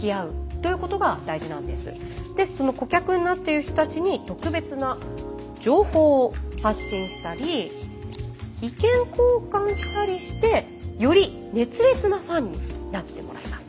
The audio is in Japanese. でその顧客になっている人たちに特別な情報を発信したり意見交換したりしてより熱烈なファンになってもらいます。